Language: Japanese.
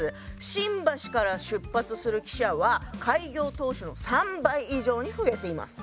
新橋から出発する汽車は開業当初の３倍以上に増えています。